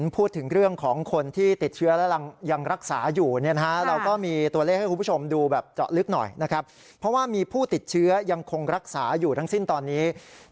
เพราะว่ามีผู้ติดเชื้อย่างคงรักษาอยู่ทั้งสิ้นตอนนี้